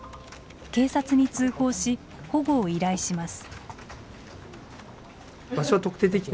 警察に通報し保護を依頼します。